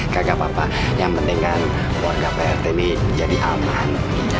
gak apa apa yang penting kan warga pak rt ini jadi aman